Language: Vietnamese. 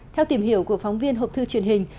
theo tìm hiểu của phóng viên hộp thư truyền hình